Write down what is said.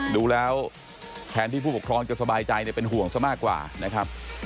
ดูแล้วแทนที่ผู้ปกครองจะสบายใจเนี่ยเป็นห่วงซะมากกว่านะครับ